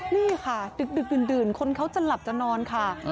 นี่ค่ะดึกดื่นคนเขาจะหลับจะนอนค่ะ